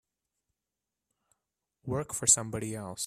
Work for somebody else.